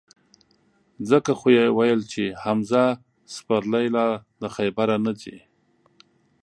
ځکه خو یې ویل چې: حمزه سپرلی لا د خیبره نه ځي.